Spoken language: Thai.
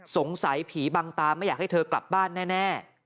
สงสัยผีบังตาไม่อยากให้เธอกลับบ้านแน่